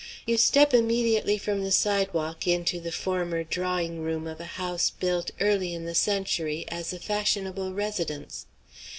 You step immediately from the sidewalk into the former drawing room of a house built early in the century as a fashionable residence.